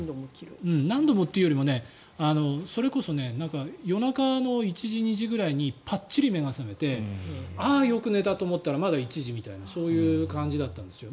何度もというよりもそれこそ夜中の１時、２時ぐらいにぱっちり目が覚めてああよく寝たと思ったらまだ１時みたいなそういう感じだったんですよ。